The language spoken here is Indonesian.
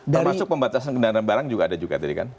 termasuk pembatasan kendaraan barang juga ada juga tadi kan